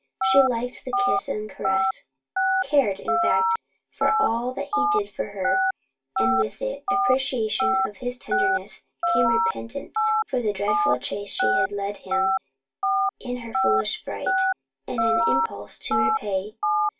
She liked the kiss and caress, cared, in fact, for all that he did for her, and with the appreciation of his tenderness came repentance for the dreadful chase she had led him in her foolish fright, and an impulse to repay.